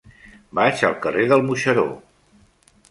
Vaig al carrer del Moixeró.